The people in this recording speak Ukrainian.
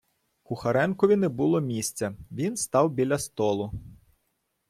Кухаренкові не було місця, він став біля столу.